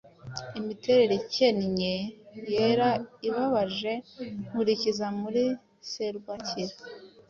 Imiterere ikennye, yera, ibabaje Nkurikiza muri serwakira